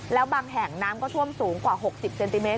แล้วบางแห่งน้ำก็ท่วมสูงกว่า๖๐เซนติเมต